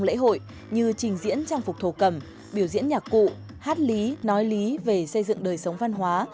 lễ hội như trình diễn trang phục thổ cầm biểu diễn nhạc cụ hát lý nói lý về xây dựng đời sống văn hóa